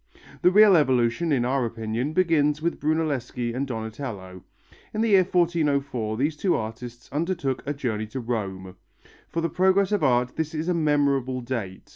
The real evolution, in our opinion, begins with Brunelleschi and Donatello. In the year 1404 these two artists undertook a journey to Rome. For the progress of art this is a memorable date.